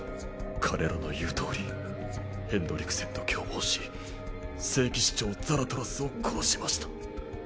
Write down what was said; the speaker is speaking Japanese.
彼らの言うとおりヘンドリクセンと共謀し聖騎士長ザラトラスを殺しました。